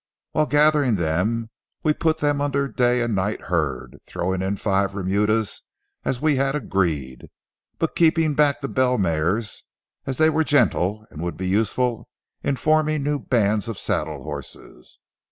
While gathering them we put them under day and night herd, throwing in five remudas as we had agreed, but keeping back the bell mares, as they were gentle and would be useful in forming new bands of saddle horses.